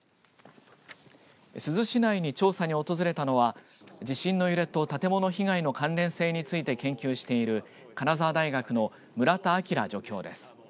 珠洲市内に調査に訪れたのは地震の揺れと建物被害の関連性について研究している金沢大学の村田晶助教です。